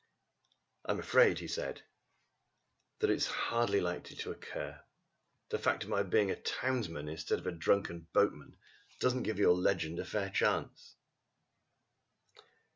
"I am afraid," he said, "that that is hardly likely to occur. The fact of my being a townsman instead of a drunken boatman doesn't give your legend a fair chance!"